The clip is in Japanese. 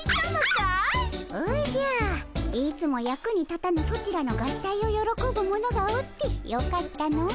おじゃいつも役に立たぬソチらの合体をよろこぶ者がおってよかったの。